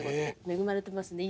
恵まれてますね。